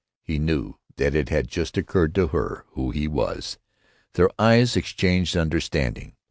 He knew that it had just occurred to her who he was. Their eyes exchanged understanding.